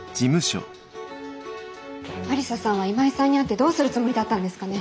愛理沙さんは今井さんに会ってどうするつもりだったんですかね？